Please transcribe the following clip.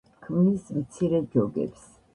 ქმნის მცირე ჯოგებს.